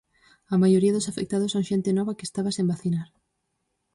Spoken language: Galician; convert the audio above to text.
A maioría dos afectados son xente nova que estaba sen vacinar.